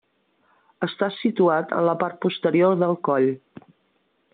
Està situat en la part posterior del coll.